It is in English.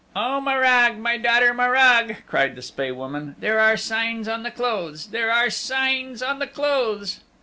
"Oh, Morag, my daughter Morag," cried the Spae Woman, "there are signs on the clothes there are signs on the clothes!"